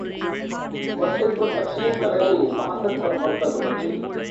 مسجد کو تقسیم کا نہیں، وحدت کا مرکز ہو نا چاہیے۔